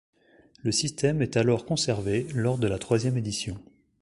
Le système est alors conservé lors de la troisième édition.